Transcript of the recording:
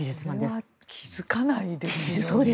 それは気付かないですよね。